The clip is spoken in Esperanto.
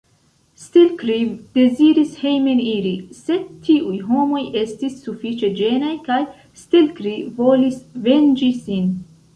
Stelkri deziris hejmeniri, sed tiuj homoj estis sufiĉe ĝenaj kaj Stelkri volis venĝi sin.